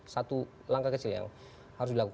satu langkah kecil yang harus dilakukan